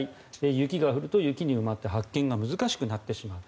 雪が降ると雪に埋まって発見が難しくなってしまう。